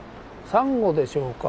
サンゴでしょうか？